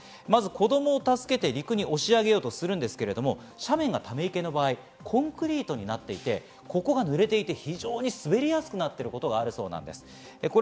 子供を助けて陸に押し上げようとしますが斜面がため池の場合コンクリートになっていて、濡れていて滑りやすくなっていることがあるそうです。